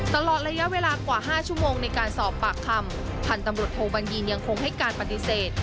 ตลอดระยะเวลากว่า๕ชั่วโมงในการสอบปากคำพันธุ์ตำรวจโทบัญญีนยังคงให้การปฏิเสธ